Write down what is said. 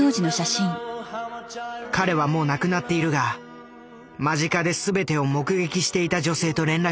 彼はもう亡くなっているが間近で全てを目撃していた女性と連絡が取れた。